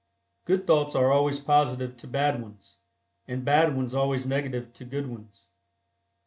Good thoughts are always positive to bad ones, and bad ones always negative to good ones.